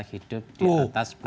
hidup di atas bumi